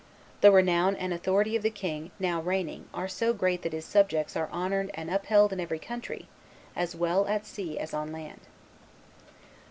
The renown and authority of the king now reigning are so great that his subjects are honored and upheld in every country, as well at sea as on land."